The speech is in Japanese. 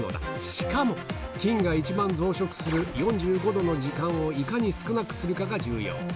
しかも、菌が一番増殖する４５度の時間をいかに少なくするかが重要。